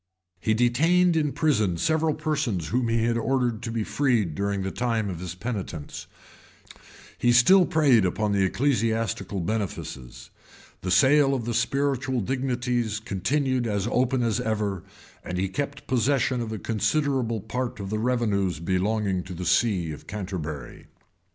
He detained in prison several persons whom he had ordered to be freed during the time of his penitence; he still preyed upon the ecclesiastical benefices; the sale of spiritual dignities continued as open as ever; and he kept possession of a considerable part of the revenues belonging to the see of Canterbury.